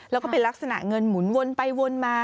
แล้วก็เป็นลักษณะเงินหมุนวนไปวนมา